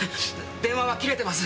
電話は切れてます。